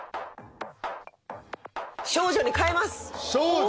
少女に変えます少女！